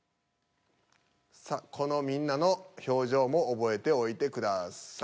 さあこのみんなの表情も覚えておいてください。